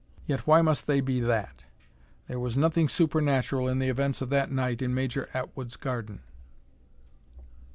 Yet why must they be that? There was nothing supernatural in the events of that night in Major Atwood's garden.